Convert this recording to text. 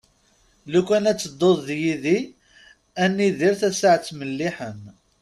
Lukan ad tedduḍ d yid-i ad nidir tasaɛet melliḥen.